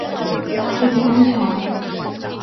这边安全了